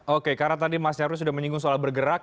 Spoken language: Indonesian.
oke karena tadi mas nyarwi sudah menyinggung soal bergerak